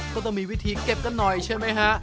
ก็ต้องมีวิธีเก็บกันหน่อยใช่ไหมฮะ